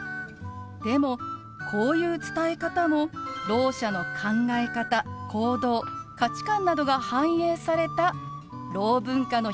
でもこういう伝え方もろう者の考え方・行動・価値観などが反映されたろう文化の一つなんですよ。